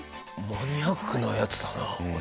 マニアックなやつだなこれ。